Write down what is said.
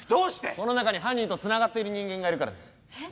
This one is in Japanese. この中に犯人とつながっている人間がいるからですえっ？